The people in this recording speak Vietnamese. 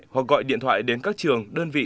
hoặc gọi điện thoại đến các trường đơn vị